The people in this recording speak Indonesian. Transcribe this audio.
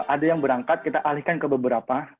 ada yang berangkat kita alihkan ke beberapa